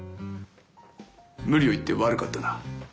無理を言って悪かったな。